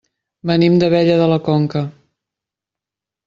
Venim d'Abella de la Conca.